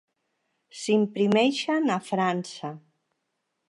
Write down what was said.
S'imprimeixen a França.